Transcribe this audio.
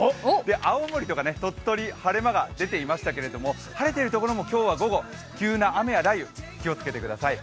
青森とか鳥取、晴れ間が出ていましたけれども、晴れているところも今日は午後、急な雨な雷雨に気をつけてください。